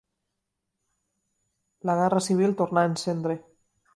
La guerra civil tornà a encendre.